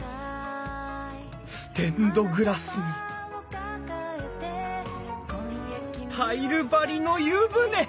ステンドグラスにタイル張りの湯船。